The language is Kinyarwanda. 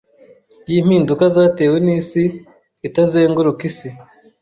yimpinduka zatewe nisi itazenguruka isi